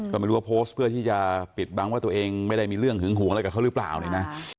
ก็ไม่รู้ว่าโพสต์เพื่อที่จะปิดบังว่าตัวเองไม่ได้มีเรื่องหึงหวงอะไรกับเขาหรือเปล่าเนี่ยนะ